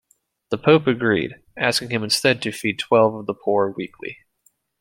The pope agreed, asking him instead to feed twelve of the poor weekly.